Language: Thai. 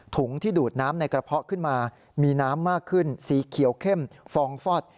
ที่ดูดน้ำในกระเพาะขึ้นมามีน้ำมากขึ้นสีเขียวเข้มฟองฟอด